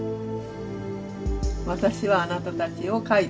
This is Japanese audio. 私はあなたたちを書いたと。